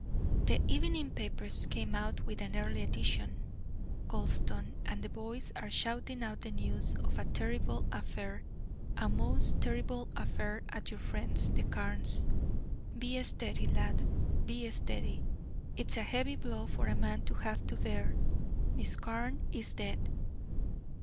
"The evening papers came out with an early edition, Gulston, and the boys are shouting out the news of a terrible affair, a most terrible affair at your friends the Carnes'. Be steady, lad, be steady. It's a heavy blow for a man to have to bear. Miss Carne is dead."